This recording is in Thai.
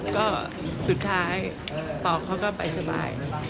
ก็สุดท้ายปอกเขาก็ไปสบาย